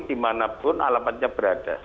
dimanapun alamatnya berada